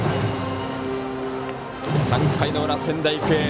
３回の裏、仙台育英。